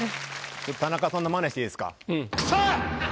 田中さんのマネしていいですか？